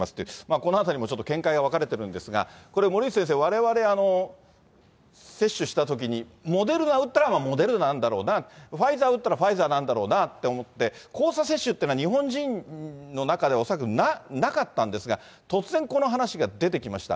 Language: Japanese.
このあたりもちょっと見解が分かれてるんですが、これ、森内先生、われわれ接種したときに、モデルナ打ったらモデルナなんだろうな、ファイザー打ったらファイザーなんだろうなと思って、交差接種というのは、日本人の中では恐らくなかったんですが、突然、この話が出てきました。